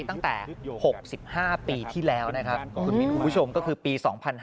ตั้งแต่๖๕ปีที่แล้วคุณผู้ชมก็คือปี๒๕๐๐